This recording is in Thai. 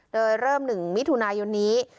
โดยเริ่ม๑มิถุนายนนี้